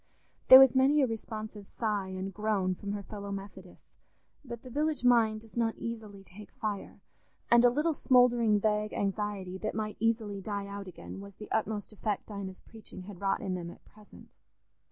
There was many a responsive sigh and groan from her fellow Methodists, but the village mind does not easily take fire, and a little smouldering vague anxiety that might easily die out again was the utmost effect Dinah's preaching had wrought in them at present.